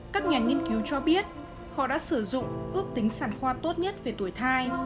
các nhà nghiên cứu cho biết họ đã sử dụng ước tính sản khoa tốt nhất về tuổi thai